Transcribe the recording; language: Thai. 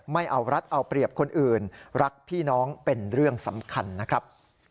ไม่เอารัฐเอาเปรียบคนอื่นรักพี่น้องเป็นเรื่องสำคัญนะครับ